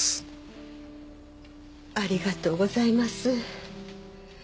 ありがとうございます。